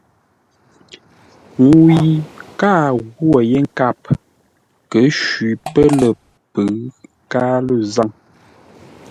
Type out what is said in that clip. Ŋuu yi káa ghwô yé nkâp kə̂ shwî pə́ lə̂ pʉ̌ʉ káa lə̂ zâŋ.